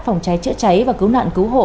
phòng cháy chữa cháy và cứu nạn cứu hộ